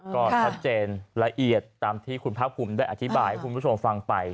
ก็ชัดเจนละเอียดตามที่คุณภาคภูมิได้อธิบายให้คุณผู้ชมฟังไป